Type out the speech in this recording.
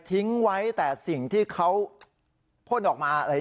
ทิ้งไว้แต่สิ่งที่เขาพ่นออกมาอะไร